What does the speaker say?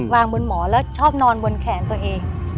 วางบนหมอแล้วชอบนอนบนแขนตัวเอง